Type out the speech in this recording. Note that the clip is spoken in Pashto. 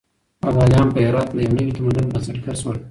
ابداليان په هرات کې د يو نوي تمدن بنسټګر شول.